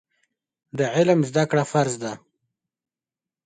د علم زده کړه فرض ده.